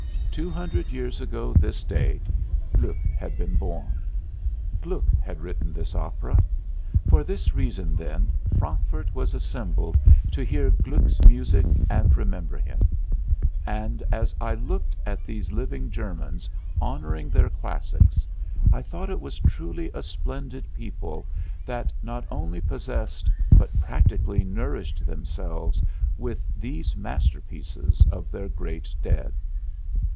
Two hundred years ago this day, Gluck had been born. Gluck had written this opera. For this reason, then, Frankfurt was assembled to hear Gluck's music and remember him; and, as I looked at these living Germans honoring their classics, I thought it was truly a splendid people that not only possessed but practically nourished themselves with these masterpieces of their great dead.